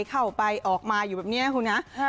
เข้าไปออกมาอยู่แบบนี้คุณฮะ